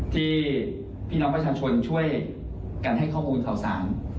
พี่น้องประชาชนช่วยกันให้ข้อมูลข่าวสาร